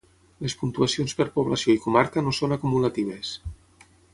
Les puntuacions per població i comarca no són acumulatives.